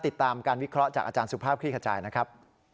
ติดตามการวิเคราะห์จากอาจารย์สุภาพคลี่ขจายนะครับ